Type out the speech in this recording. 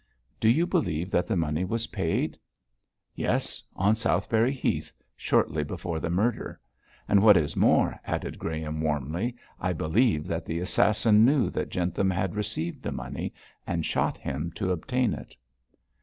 'Do you believe that the money was paid?' 'Yes, on Southberry Heath, shortly before the murder. And what is more,' added Graham, warmly, 'I believe that the assassin knew that Jentham had received the money, and shot him to obtain it.'